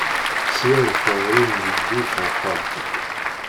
Sliɣ i teɣri n jeddi ferḥeɣ.